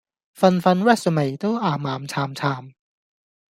份份 resume 都岩岩巉巉